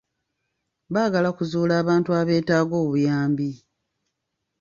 Baagala kuzuula abantu abeetaaga obuyambi.